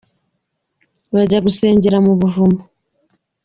Bajya gusengera mu buvumo